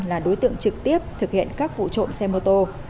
là đối tượng trực tiếp thực hiện các vụ trộm xe mô tô